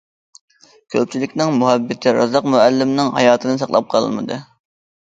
كۆپچىلىكنىڭ مۇھەببىتى رازاق مۇئەللىمنىڭ ھاياتىنى ساقلاپ قالالمىدى.